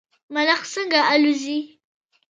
ملخ څنګه الوځي؟